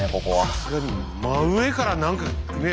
さすがに真上から何かねえ？